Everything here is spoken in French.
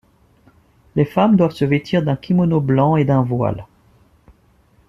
Les femmes doivent se vêtir d'un kimono blanc et d'un voile.